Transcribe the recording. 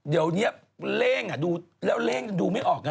เดี๋ยวนี้เล่งดูแล้วเร่งดูไม่ออกนะ